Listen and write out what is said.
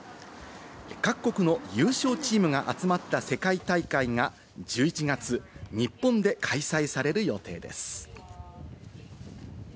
各国の優勝チームが集まった世界大会が１１月に日本で開催される予定です。